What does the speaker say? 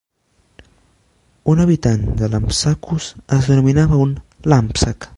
Un habitant de Lampsacus es denominava un "Làmpsac".